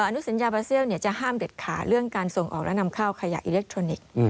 อนุสัญญาบาเซียลจะห้ามเด็ดขาดเรื่องการส่งออกและนำเข้าขยะอิเล็กทรอนิกส์